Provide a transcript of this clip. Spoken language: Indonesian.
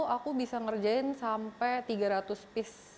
aku bisa ngerjain sampai tiga ratus piece